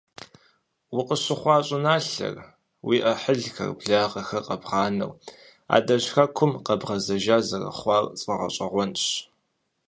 Укъыщыхъуа щӀыналъэр, уи Ӏыхьлыхэр, благъэхэр къэбгъанэу адэжь Хэкум къэбгъэзэжа зэрыхъуар сфӀэгъэщӀэгъуэнщ.